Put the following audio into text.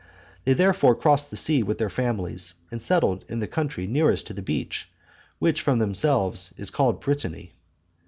They therefore crossed the sea with their families, and settled in the country nearest to the beach, which from themselves is called Brittany.